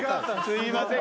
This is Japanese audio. すいません。